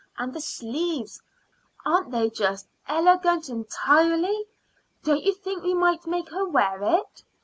And the sleeves aren't they just illegant entirely? Don't you think we might make her wear it?"